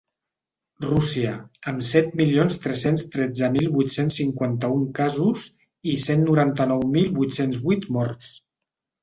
Rússia, amb set milions tres-cents tretze mil vuit-cents cinquanta-un casos i cent noranta-nou mil vuit-cents vuit morts.